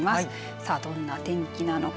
さあ、どんな天気なのか。